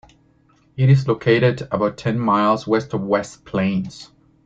It is located about ten miles west of West Plains.